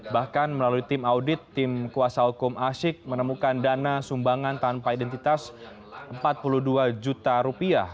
bahkan melalui tim audit tim kuasa hukum asyik menemukan dana sumbangan tanpa identitas empat puluh dua juta rupiah